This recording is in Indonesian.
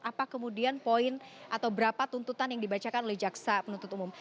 apa kemudian poin atau berapa tuntutan yang dibacakan oleh jaksa penuntut umum